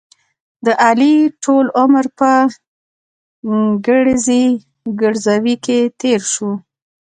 د علي ټول عمر په ګړزې ګړوزې کې تېر شو.